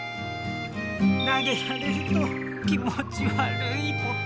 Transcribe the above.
なげられると気持ちわるいポタ。